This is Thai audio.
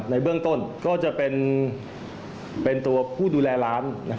ในเบื้องต้นก็จะเป็นตัวผู้ดูแลร้าน